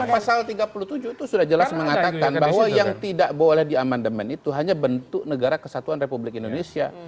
pasal tiga puluh tujuh itu sudah jelas mengatakan bahwa yang tidak boleh diamandemen itu hanya bentuk negara kesatuan republik indonesia